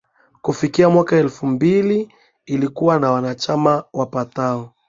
Kufikia mwaka wa elfu mbili lilikuwa na wanachama wapatao